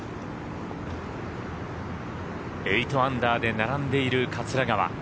８アンダーで並んでいる桂川。